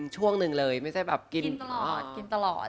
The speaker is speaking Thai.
สวัสดีค่ะ